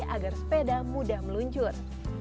agar sepeda mudah meluncur